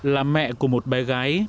là mẹ của một bé gái